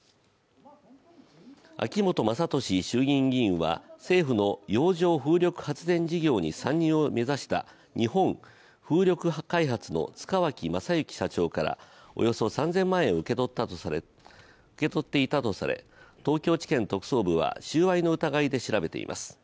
秋本真利衆院議員は政府の洋上風力発電事業に参入を目指した日本風力開発の塚脇正幸社長からおよそ３０００万円を受け取っていたとされ、東京地検特捜部は収賄の疑いで調べています。